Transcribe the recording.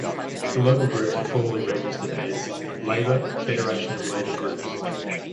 The local groups are formally registered as "Labour - Federation of Labour Groups".